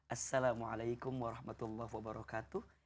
assalamualaikum warahmatullah wabarakatuh